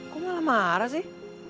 kok malah marah sih